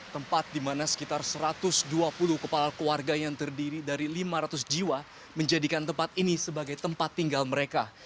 tempat di mana sekitar satu ratus dua puluh kepala keluarga yang terdiri dari lima ratus jiwa menjadikan tempat ini sebagai tempat tinggal mereka